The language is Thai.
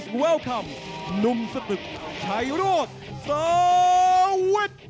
สวัสดิ์นุ่มสตึกชัยโลธสวิทธิ์